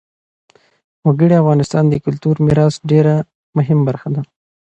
وګړي د افغانستان د کلتوري میراث یوه ډېره مهمه برخه ده.